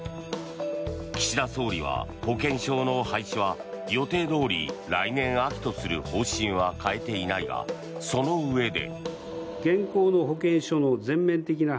岸田総理は、保険証の廃止は予定どおり来年秋とする方針は変えていないがそのうえで。